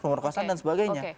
pemerkosaan dan sebagainya